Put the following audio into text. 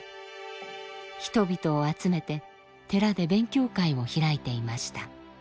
人々を集めて寺で勉強会を開いていました。